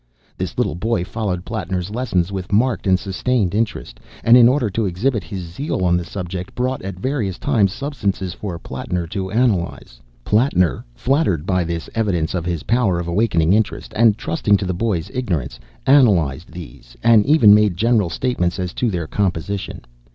This little boy followed Plattner's lessons with marked and sustained interest, and in order to exhibit his zeal on the subject, brought, at various times, substances for Plattner to analyse. Plattner, flattered by this evidence of his power of awakening interest, and trusting to the boy's ignorance, analysed these, and even, made general statements as to their composition.